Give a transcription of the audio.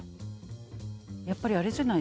やっぱりあれじゃないですか。